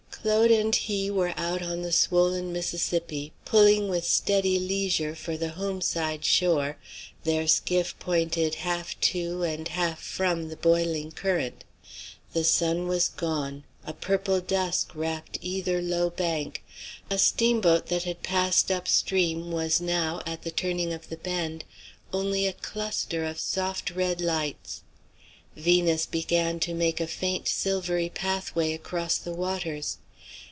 Claude and he were out on the swollen Mississippi pulling with steady leisure for the home side shore, their skiff pointed half to and half from the boiling current. The sun was gone; a purple dusk wrapped either low bank; a steamboat that had passed up stream was now, at the turning of the bend, only a cluster of soft red lights; Venus began to make a faint silvery pathway across the waters.